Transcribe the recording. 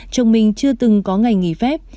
chồng minh chưa từng có ngày nghỉ phép